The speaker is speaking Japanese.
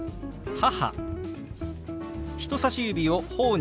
「母」。